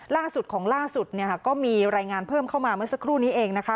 ล่าสุดของล่าสุดเนี่ยก็มีรายงานเพิ่มเข้ามาเมื่อสักครู่นี้เองนะคะ